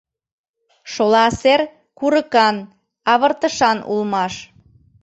Шола сер курыкан, авыртышан улмаш.